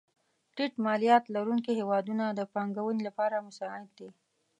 ټیټ مالیات لرونکې هېوادونه د پانګونې لپاره مساعد دي.